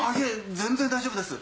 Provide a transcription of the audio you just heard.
全然大丈夫です。